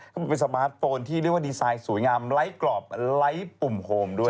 เขาบอกเป็นสมาร์ทโฟนที่เรียกว่าดีไซน์สวยงามไร้กรอบไร้ปุ่มโฮมด้วย